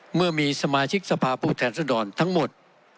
เมื่อมีสมาชิกสภาพผู้แทนสดรทั้งหมด